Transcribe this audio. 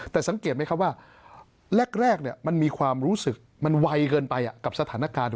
แต่สังเกตไหมครับว่าแรกมันมีความรู้สึกมันไวเกินไปกับสถานการณ์